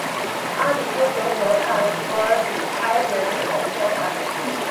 阿里耶格河畔弗尔里埃人口变化图示